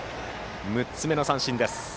６つ目の三振です。